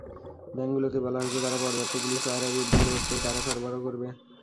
ব্যাংকগুলোকে বলা হয়েছে, তারা পর্যাপ্ত পুলিশ পাহারায় বুথগুলোতে টাকা সরববরাহ করবে।